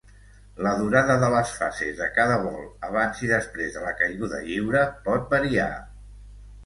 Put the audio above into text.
La durada de les fases de cada vol abans i després de la caiguda lliure pot variar.